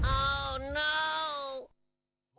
โอ้วโน้ว